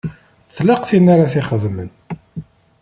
Tlaq tin ara t-ixedmen.